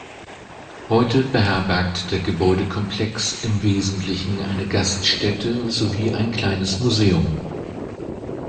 Heute beherbergt der Gebäudekomplex im Wesentlichen eine Gaststätte sowie ein kleines Museum.